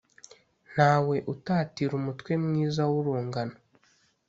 ntawe utatira umutwe mwiza w’urungano